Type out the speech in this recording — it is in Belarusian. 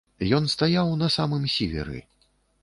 Ён стаяў на самым сіверы.